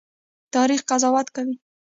تاریخ قضاوت کوي